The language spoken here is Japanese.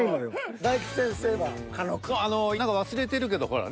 あの何か忘れてるけどほら。